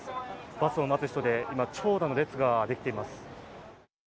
バスを待つ人で今、長蛇の列ができています。